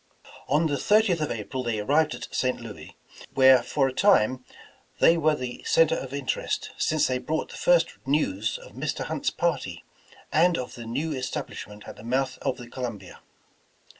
On the 30th of April they arrived at St. Louis, where for a time they were the center of interest, since they brought the first news of Mr. Hunt's party, and of the new establishment at the mouth of the Columbia.